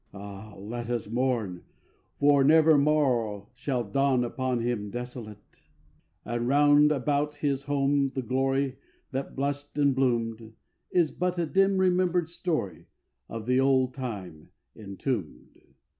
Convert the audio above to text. (Ah, let us mourn! for never morrow Shall dawn upon him desolate !) And round about his home the glory That blushed and bloomed, Is but a dim remembered story Of the old time entombed.